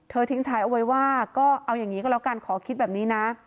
ทิ้งท้ายเอาไว้ว่าก็เอาอย่างนี้ก็แล้วกันขอคิดแบบนี้นะ